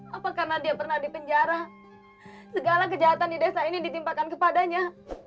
hai apa karena dia pernah dipenjara segala kejahatan di desa ini ditimpakan kepadanya